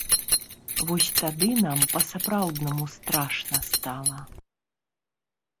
Вось тады нам па-сапраўднаму страшна стала.